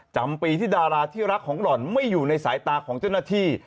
จำปีที่ดาราที่รักของหล่อนไม่อยู่ในสายตาของเจ้าหน้าที่